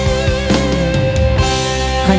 แค่ความรักก็แค่ใจ